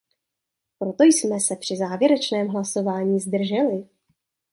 Proto jsme se při závěrečném hlasování zdrželi.